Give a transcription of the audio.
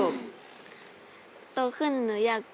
เพื่อนรักไดเกิร์ต